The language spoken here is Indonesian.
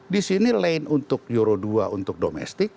di sini lain untuk euro dua untuk domestik